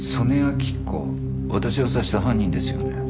私を刺した犯人ですよね？